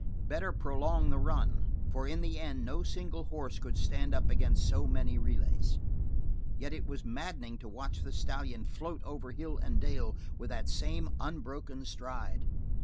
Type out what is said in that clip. Better prolong the run, for in the end no single horse could stand up against so many relays. Yet it was maddening to watch the stallion float over hill and dale with that same unbroken stride.